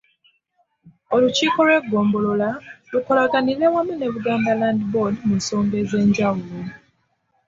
Olukiiko lw’eggombolola lukolaganire wamu ne Buganda Land Board mu nsonga ez'enjawulo.